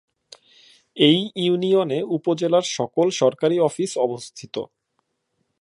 এই ইউনিয়নে উপজেলার সকল সরকারি অফিস অবস্থিত।